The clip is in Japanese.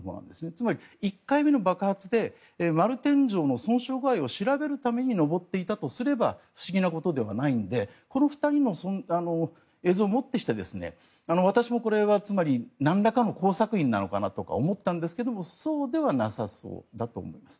つまり１回目の爆発で丸天井の損傷具合を調べるために上っていたとすれば不思議なことではないのでこの２人の映像をもってして私はこれがつまり、なんらかの工作員なのかなと思ったんですがそうではなさそうだと思います。